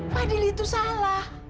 fadil itu salah